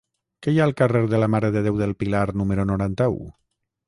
Què hi ha al carrer de la Mare de Déu del Pilar número noranta-u?